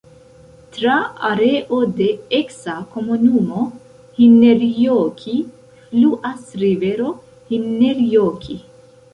Tra areo de eksa komunumo Hinnerjoki fluas rivero Hinnerjoki.